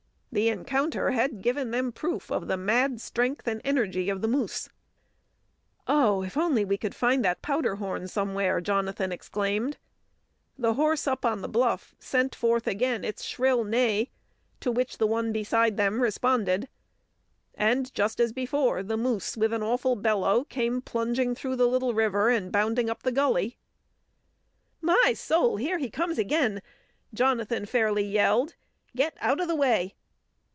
The encounter had given them proof of the mad strength and energy of the moose. "Oh, if we could only find that powder horn somewhere!" Jonathan exclaimed. The horse up on the bluff sent forth again its shrill neigh, to which the one beside them responded. And just as before, the moose, with an awful bellow, came plunging through the little river and bounding up the gully. "My soul! Here he comes again!" Jonathan fairly yelled. "Get out o' the way!"